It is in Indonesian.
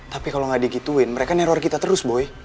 tapi kalau nggak digituin mereka neror kita terus boy